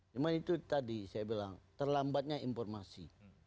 cuma itu tadi saya bilang terlambatnya informasi